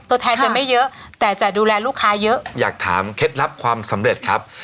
ตัวแทนจะไม่เยอะแต่จะดูแลลูกค้าเยอะอยากถามเคล็ดลับความสำเร็จครับ